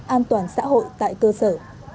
an toàn xã hội tại cơ sở